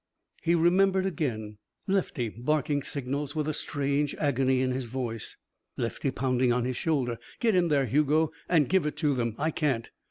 He remembered again. Lefty barking signals with a strange agony in his voice. Lefty pounding on his shoulder. "Go in there, Hugo, and give it to them. I can't."